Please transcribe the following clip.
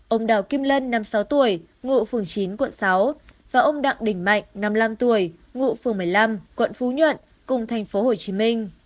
ông đào kim lân năm mươi sáu tuổi ngụ phường chín quận sáu và ông đặng đình mạnh năm mươi năm tuổi ngụ phường một mươi năm quận phú nhuận tp hcm